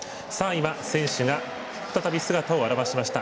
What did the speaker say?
今、選手が再び姿を現しました。